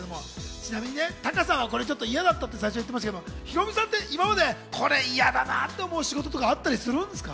ちなみにタカさんは嫌だったって最初言ってましたけど、ヒロミさんって今まで、これ嫌だなって思う仕事とかあったりするんですか？